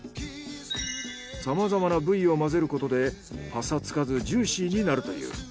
さまざまな部位を混ぜることでパサつかずジューシーになるという。